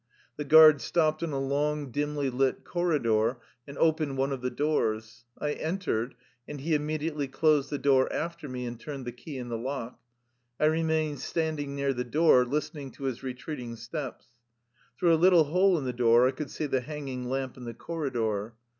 The guard stopped in a long, dimly lit corridor and opened one of the doors. I entered, and he immediately closed the door after me and turned the key in the lock. I remained standing near the door, listening to his retreating steps. Through a little hole in the door I could see the hanging lamp in the corridor.